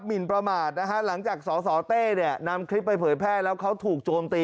หินประมาทนะฮะหลังจากสสเต้เนี่ยนำคลิปไปเผยแพร่แล้วเขาถูกโจมตี